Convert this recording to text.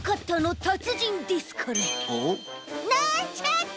なんちゃって！